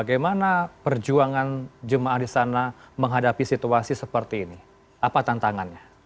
bagaimana perjuangan jemaah di sana menghadapi situasi seperti ini apa tantangannya